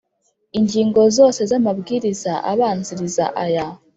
Ingingo zose z’amabwiriza abanziriza aya